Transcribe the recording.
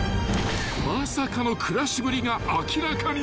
［まさかの暮らしぶりが明らかになる］